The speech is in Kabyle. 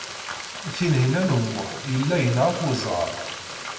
Tinhinan u Muḥ yella yenɣa-tt weẓɣal.